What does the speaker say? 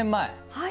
はい。